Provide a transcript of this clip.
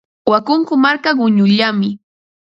Wakunku marka quñullami.